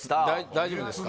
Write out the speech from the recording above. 大丈夫ですか？